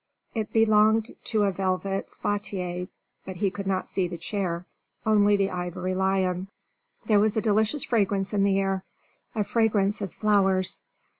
It belonged to a velvet fauteuil, but he could not see the chair, only the ivory lion. There was a delicious fragrance in the air a fragrance as flowers.